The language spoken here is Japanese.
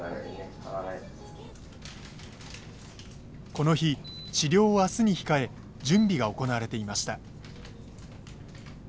この日治療を明日に控え準備が行われていました。